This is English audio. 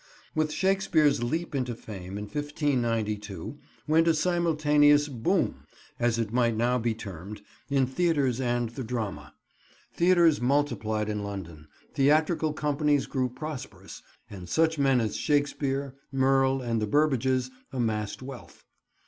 With Shakespeare's leap into fame, in 1592, went a simultaneous "boom," as it might now be termed, in theatres and the drama. Theatres multiplied in London, theatrical companies grew prosperous, and such men as Shakespeare, Merle and the Burbages amassed wealth.